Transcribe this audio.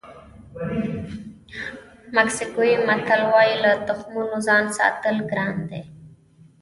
مکسیکوي متل وایي له تخمونو ځان ساتل ګران دي.